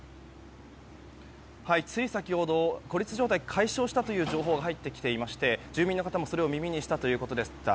つい先ほど孤立状態が解消したという情報が入ってきていまして住民の方も、それを耳にしたということでした。